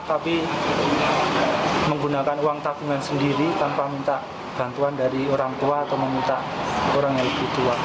tapi menggunakan uang tabungan sendiri tanpa minta bantuan dari orang tua atau meminta orang yang lebih tua